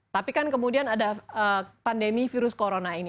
tapi kan kemudian ada pandemi virus corona ini